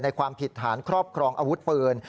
ความผิดฐานครอบครองอาวุธปืน